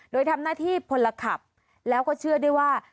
โดยทำหน้าที่พลขับแล้วก็เชื่อด้วยว่า